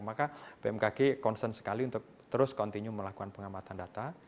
maka bmkg concern sekali untuk terus continue melakukan pengamatan data